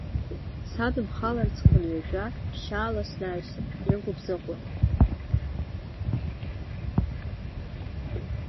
Садымхаларц хынҩажәа, ԥшьаала снаҩсып, иргәыбзыӷуа…